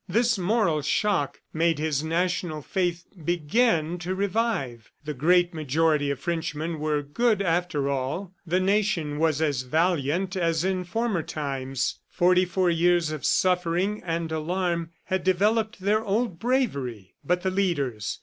This moral shock made his national faith begin to revive. The great majority of Frenchmen were good after all; the nation was as valiant as in former times. Forty four years of suffering and alarm had developed their old bravery. But the leaders?